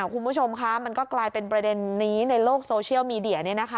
คุณผู้ชมคะมันก็กลายเป็นประเด็นนี้ในโลกโซเชียลมีเดีย